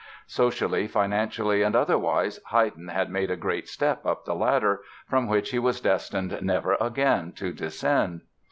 Socially, financially and otherwise Haydn had made a great step up the ladder, from which he was destined never again to descend.